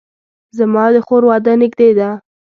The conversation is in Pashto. زما د خور واده نږدې ده